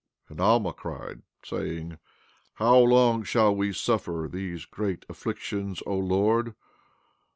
14:26 And Alma cried, saying: How long shall we suffer these great afflictions, O Lord?